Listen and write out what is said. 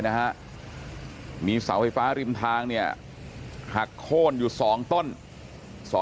นะฮะมีเสาไฟฟ้าริมทางเนี่ยหักโค้นอยู่๒ต้น